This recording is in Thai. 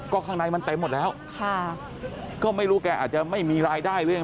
ก็ข้างในมันเต็มหมดแล้วค่ะก็ไม่รู้แกอาจจะไม่มีรายได้หรือยัง